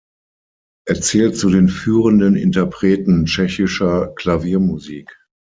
Er zählt zu den führenden Interpreten tschechischer Klaviermusik.